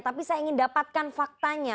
tapi saya ingin dapatkan faktanya